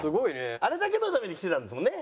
あれだけのために来てたんですもんね？